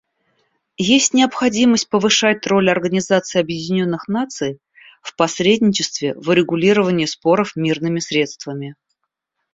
Есть необходимость повышать роль Организации Объединенных Наций в посредничестве в урегулировании споров мирными средствами.